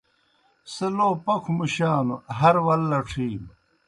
سہ لو پکھوْ مُشانوْ ہر ول لڇِھینوْ۔